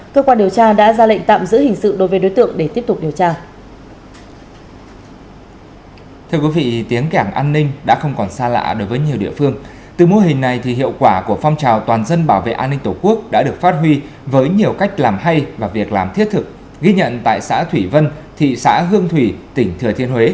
cơ quan điều tra đã ra lệnh tạm giữ hình sự đối với đối tượng để tiếp tục điều tra